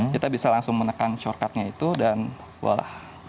kita bisa langsung menekan shortcutnya itu dan walah